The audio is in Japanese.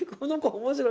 面白い。